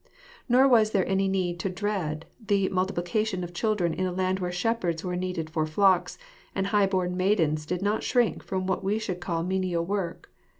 Nor was there any need to dread the multipli cation of children in a land where shepherds were needed for flocks, and high born maidens did not shrink from what we should call menial work.